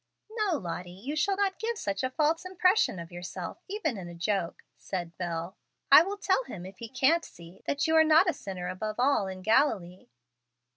"No, Lottie, you shall not give such a false impression of yourself, even in a joke," said Bel. "I will tell him, if he can't see, that you are not a sinner above all in Galilee."